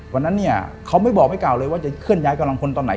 วันนั้นเนี่ยเขาไม่บอกไม่เก่าเลยว่าจะเคลื่อนย้ายกำลังพลตอนไหน